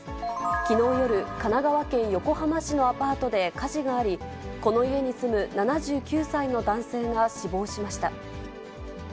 きのう夜、神奈川県横浜市のアパートで火事があり、この家に住む７９歳の男性が死亡しました。